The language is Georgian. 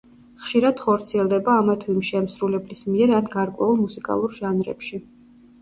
ხშირად ხორციელდება ამა თუ იმ შემსრულებლის მიერ ან გარკვეულ მუსიკალურ ჟანრებში.